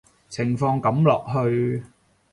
情況噉落去